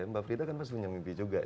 mbak frida kan pasti punya mimpi juga ya